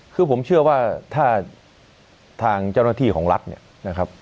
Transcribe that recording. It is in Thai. คือผมเชื่อว่าถ้าทางเจ้าหน้าที่ของรัฐเนี่ยนะครับ